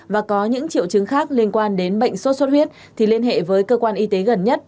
và có những triệu chứng khác liên quan đến bệnh sốt xuất huyết thì liên hệ với cơ quan y tế gần nhất